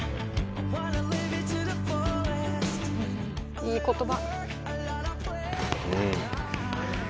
「いい言葉」